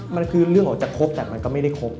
มันคือเรื่องออกจากครบแต่มันก็ไม่ได้ครบ